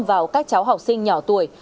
vào các cháu học sinh nhỏ tuổi